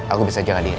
aku bisa jaga diri dulu